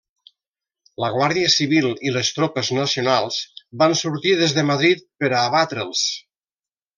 La guàrdia civil i les tropes nacionals van sortir des de Madrid per a abatre'ls.